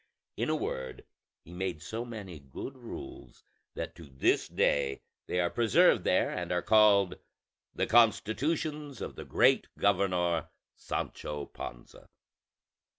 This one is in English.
In a word, he made so many good rules that to this day they are preserved there, and are called The constitutions of the great governor Sancho Panza.